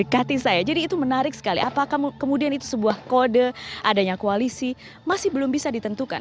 hati saya jadi itu menarik sekali apakah kemudian itu sebuah kode adanya koalisi masih belum bisa ditentukan